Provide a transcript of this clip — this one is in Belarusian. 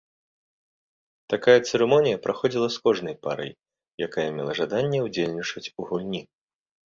Такая цырымонія праходзіла з кожнай парай, якая мела жаданне ўдзельнічаць у гульні.